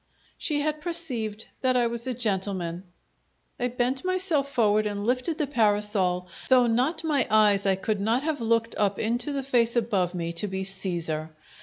She had perceived that I was a gentleman. I bent myself forward and lifted the parasol, though not my eyes I could not have looked up into the face above me to be Caesar!